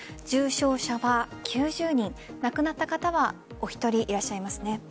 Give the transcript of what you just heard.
重症者は９０人亡くなった方はお一人いらっしゃいます。